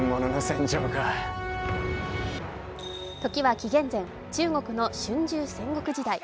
時は紀元前、中国の春秋戦国時代。